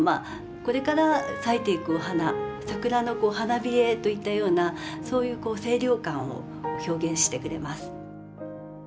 これから咲いていくお花桜の花冷えといったようなそういう清涼感を表現してくれます。